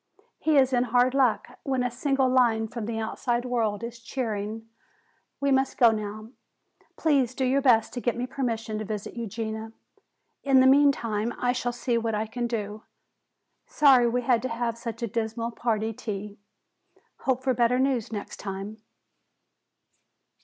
He is in hard luck, when a single line from the outside world is cheering. We must go now. Please do your best to get me permission to visit Eugenia. In the meantime I shall see what I can do. Sorry we had to have such a dismal party tea. Hope for better news next time."